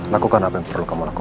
lakukan apa yang perlu kamu lakukan